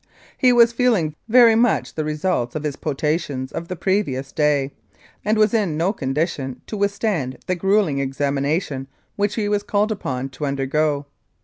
He was feeling very much the results of his potations of the previous day, and was in no condition to withstand the gruelling examination which he was called upon to undergo.